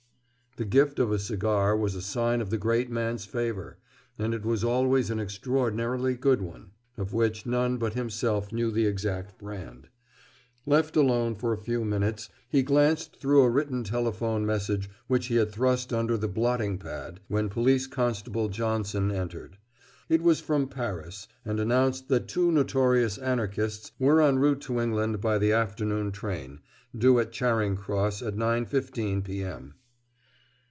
The gift of a cigar was a sign of the great man's favor, and it was always an extraordinarily good one, of which none but himself knew the exact brand. Left alone for a few minutes, he glanced through a written telephone message which he had thrust under the blotting pad when Police Constable Johnson had entered. It was from Paris, and announced that two notorious Anarchists were en route to England by the afternoon train, due at Charing Cross at 9.15 p.m.